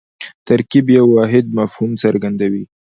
ترکیب یو واحد مفهوم څرګندوي.